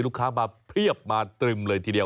ลูกค้ามาเพียบมาตรึมเลยทีเดียว